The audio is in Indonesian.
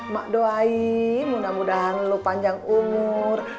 mak doai mudah mudahan lo panjang umur